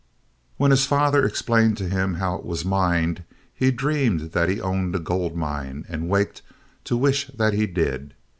When his father explained to him how it was mined, he dreamed that he owned a gold mine and waked to wish that he did.